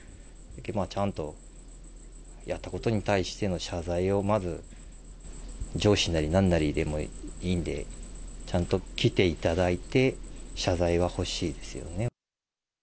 ちゃんと、やったことに対しての謝罪をまず、上司なりなんなりでもいいんで、ちゃんと来ていただいて、謝罪は欲しいですよね。